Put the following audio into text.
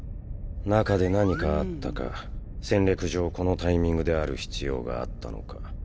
中で何かあったか戦略上このタイミングである必要があったのか。